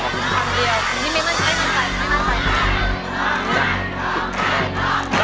คำเดียวอันนี้ไม่มั่นใครไม่มั่นใคร